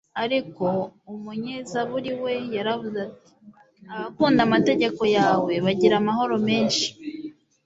Ariko umunyezaburi we yaravuze ati: “Abakunda amategeko yawe bagira amahoro menshi